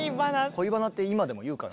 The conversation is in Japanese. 「恋バナ」って今でも言うかな？